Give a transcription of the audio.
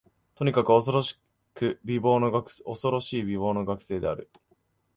とにかく、おそろしく美貌の学生である